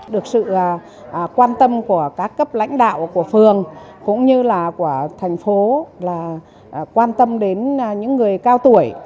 được sự quan tâm của các cấp lãnh đạo của phường cũng như là của thành phố là quan tâm đến những người cao tuổi